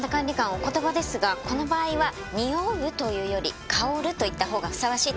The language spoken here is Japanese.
お言葉ですがこの場合は「におう」というより「香る」と言ったほうがふさわしいと思います。